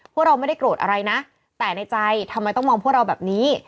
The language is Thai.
พวกเราไม่ได้โกรธอะไรนะแต่ในใจทำไมต้องมองพวกเราแบบนี้